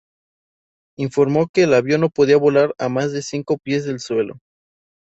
Informó que el avión no podía volar a más de cinco pies del suelo.